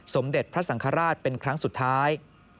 สมเด็จพระสังฆราชเป็นครั้งสุดท้าย